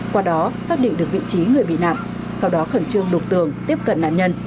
qua đó xác định được vị trí người bị nạn sau đó khẩn trương đục tường tiếp cận nạn nhân